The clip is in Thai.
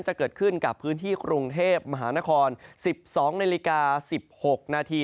จะเกิดขึ้นกับพื้นที่กรุงเทพมหานคร๑๒นาฬิกา๑๖นาที